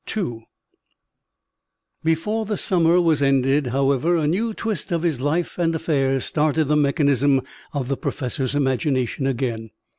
II Before the summer was ended, however, a new twist of his life and affairs started the mechanism of the professor's imagination again.